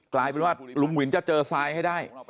กลายเป็นว่าลุงวินจะเจอทรายให้ได้